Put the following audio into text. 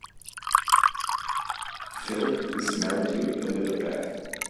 Philp is married to Elizabeth.